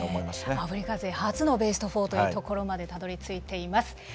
アフリカ勢初のベスト４というところまでたどりついています。